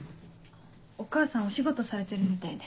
お母さんお仕事されてるみたいで。